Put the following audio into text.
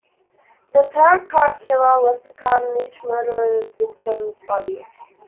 The Tarot Card Killer left a card on each murder victim's body.